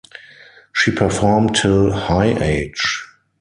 She performed till high age.